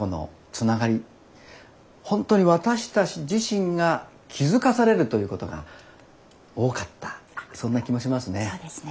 ほんとに私たち自身が気付かされるということが多かったそんな気もしますね。